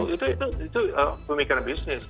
itu pemikiran bisnis